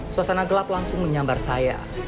suasana gelap langsung menyambar saya